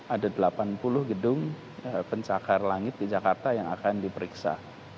ada delapan puluh gedung pencakar langit di jakarta yang akan diperiksa